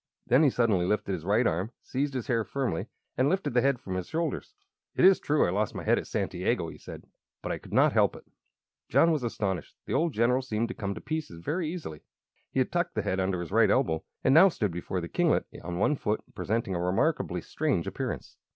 Then he suddenly lifted his right arm, seized his hair firmly, and lifted the head from his shoulders. "It is true I lost my head at Santiago," he said, "but I could not help it." John was astonished. The old general seemed to come to pieces very easily. He had tucked the head under his right elbow, and now stood before the kinglet on one foot, presenting a remarkably strange appearance.